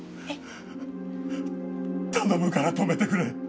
頼むから止めてくれ。